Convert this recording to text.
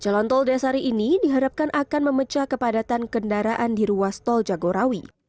jalan tol desari ini diharapkan akan memecah kepadatan kendaraan di ruas tol jagorawi